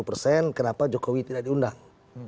lima puluh persen kenapa jokowi tidak diundang